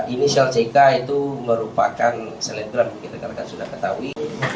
inisial ck itu merupakan selebgram mungkin rekan rekan sudah ketahui